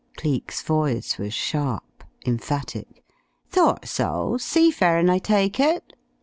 Cleek's voice was sharp, emphatic. "Thought so. Sea faring, I take it?"